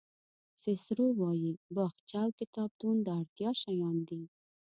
سیسرو وایي باغچه او کتابتون د اړتیا شیان دي.